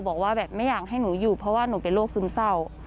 บอกว่าแบบไม่อยากให้หนูอยู่เพราะว่าหนูเป็นโรคซึมเศร้า